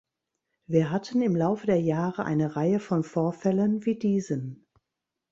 Wir hatten im Laufe der Jahre eine Reihe von Vorfällen wie diesen.